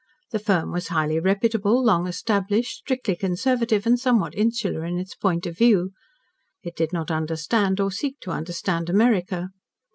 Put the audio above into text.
The firm was highly reputable, long established strictly conservative, and somewhat insular in its point of view. It did not understand, or seek to understand, America.